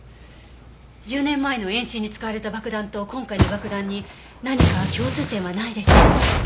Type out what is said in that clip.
１０年前の演習に使われた爆弾と今回の爆弾に何か共通点はないでしょうか？